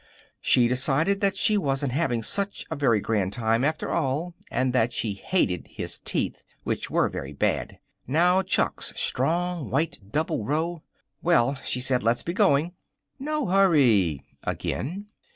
She decided that she wasn't having such a very grand time, after all, and that she hated his teeth, which were very bad. Now, Chuck's strong, white, double row "Well," she said, "let's be going." "No hurry," again.